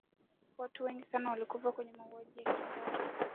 watu wengi sana walikufa kwenye mauaji ya kimbari